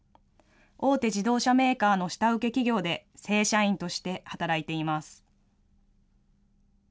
大手自動車メーカーの下請け企業で正社員として働いています。